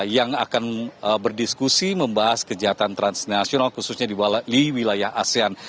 yang akan berdiskusi membahas kejahatan transnasional khususnya di wilayah asean